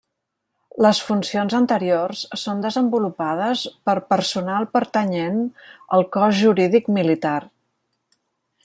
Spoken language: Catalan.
Les funcions anteriors són desenvolupades per personal pertanyent al Cos Jurídic Militar.